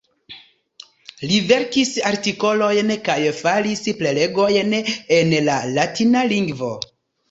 Li verkis artikolojn kaj faris prelegojn en la latina lingvo.